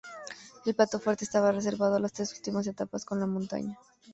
El plato fuerte estaba reservado a las tres últimas etapas, con la montaña.